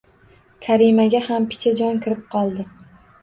Karimaga ham picha jon kirib qoldi